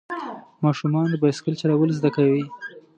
ماشومان د بایسکل چلول زده کوي.